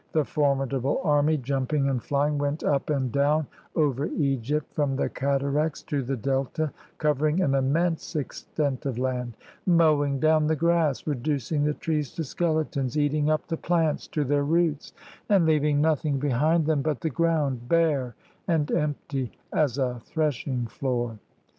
The formidable army, jumping and flying, went up and down over Egypt, from the cataracts to the Delta, covering an immense extent of land, mowing down the grass, reducing the trees to skeletons, eating up the plants to their roots, and leaving nothing behind them but the ground, bare and empty as a threshing floor.